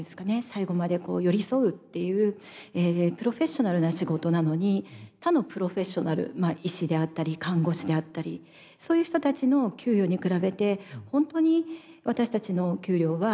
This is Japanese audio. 最後までこう寄り添うっていうプロフェッショナルな仕事なのに他のプロフェッショナル医師であったり看護師であったりそういう人たちの給与に比べて本当に私たちの給料は見合ったものなのか。